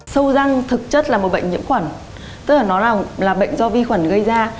sâu răng thực chất là một bệnh nhiễm khuẩn tức là nó là bệnh do vi khuẩn gây ra